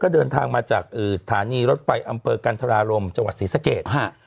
เดินทางมาจากสถานีรถไฟอำเภอกันธรารมจังหวัดศรีสะเกด